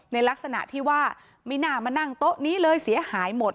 ในลักษณะที่ว่าไม่น่ามานั่งโต๊ะนี้เลยเสียหายหมด